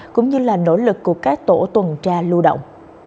cũng như là nỗ lực của các tổ tuần tra lưu động